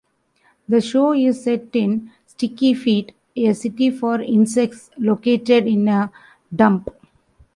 The show is set in Stickyfeet, a city for insects located in a dump.